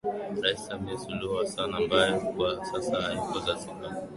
Rais Samia Suluhu Hassan ambaye kwa sasa yuko Zanzibar